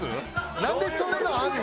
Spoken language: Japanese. なんでそれがあんの？